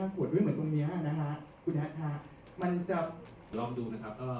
ขวดไว้เหมือนตรงนี้นะคะคุณแอดค่ะมันจะลองดูนะครับ